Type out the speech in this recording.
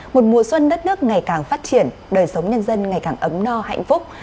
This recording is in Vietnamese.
một mùa xuân đất nước ngày càng phát triển đời sống nhân dân ngày càng ấm no hạnh phúc